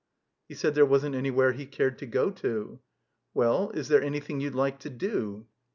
He said there wasn't anywhere, he cared to go to. "Well — is there anjrthing you'd like to do.?"